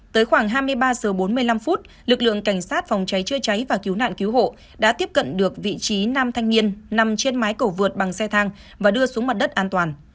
tới khoảng hai mươi ba h bốn mươi năm phút lực lượng cảnh sát phòng cháy chữa cháy và cứu nạn cứu hộ đã tiếp cận được vị trí nam thanh niên nằm trên mái cầu vượt bằng xe thang và đưa xuống mặt đất an toàn